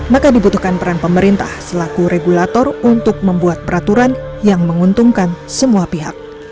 maka dibutuhkan peran pemerintah selaku regulator untuk membuat peraturan yang menguntungkan semua pihak